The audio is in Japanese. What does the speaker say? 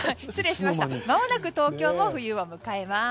まもなく東京も冬を迎えます。